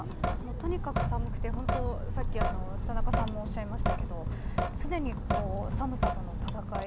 とにかく寒くて田中さんもおっしゃいましたが常に寒さとの戦い。